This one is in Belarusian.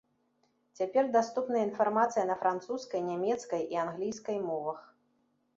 Цяпер даступная інфармацыя на французскай, нямецкай і англійскай мовах.